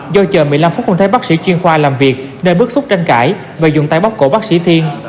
do chờ một mươi năm phút không thấy bác sĩ chuyên khoa làm việc nên bức xúc tranh cãi và dùng tay bóc cổ bác sĩ thiên